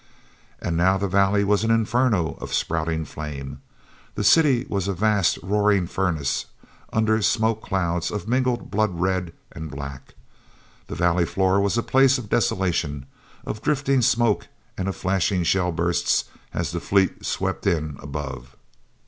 And now the valley was an inferno of spouting flame. That city was a vast, roaring furnace under smoke clouds of mingled blood red and black. The valley floor was a place of desolation, of drifting smoke and of flashing shell bursts as the fleet swept in above.